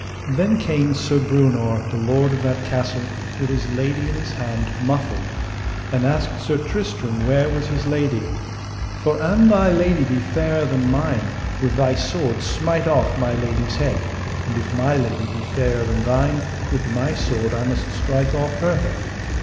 Then came Sir Breunor, the lord of that castle, with his lady in his hand, muffled, and asked Sir Tristram where was his lady: For an thy lady be fairer than mine, with thy sword smite off my lady's head; and if my lady be fairer than thine, with my sword I must strike off her head.